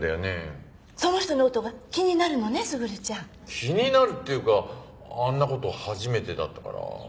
気になるっていうかあんな事初めてだったから。